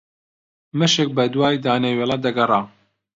مشک بەدوای دانەوێڵە دەگەڕا